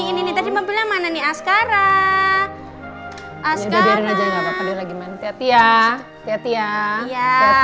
ini ini tadi mobilnya mana nih sekarang sekarang lagi main main ya ya ya ya ya